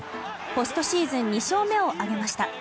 ポストシーズン２勝目を挙げました。